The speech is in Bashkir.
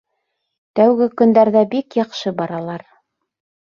Тәүге көндәрҙә бик яҡшы баралар.